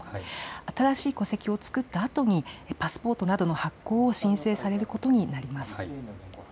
新しい戸籍を作ったあとにパスポートなどの発行を申請されることになります。